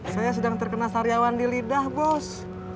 saya sedang terkena saryawan di lidah bos